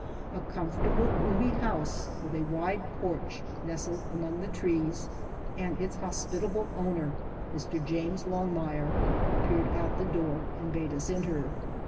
A comfortable, roomy house with a wide porch nestled among the trees, and its hospitable owner, Mr. James I Longmire, appeared at the door and bade us enter.